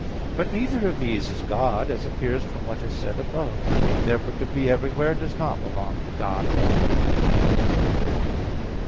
But neither of these is God, as appears from what is said above (Q. 3). Therefore to be everywhere does not belong to God alone.